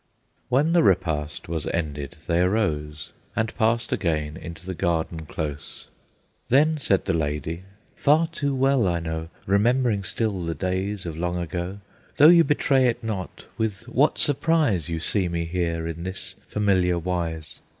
When the repast was ended, they arose And passed again into the garden close. Then said the lady, "Far too well I know, Remembering still the days of long ago, Though you betray it not, with what surprise You see me here in this familiar wise.